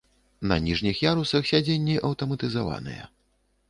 На ніжніх ярусах сядзенні аўтаматызаваныя.